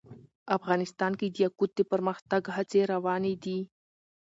افغانستان کې د یاقوت د پرمختګ هڅې روانې دي.